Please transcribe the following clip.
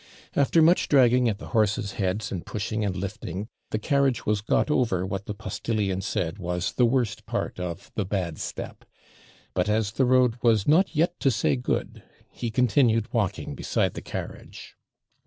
After much dragging at the horses' heads, and pushing and lifting, the carriage was got over what the postillion said was the worst part of THE BAD STEP; but as the road 'was not yet to say good,' he continued walking beside the carriage.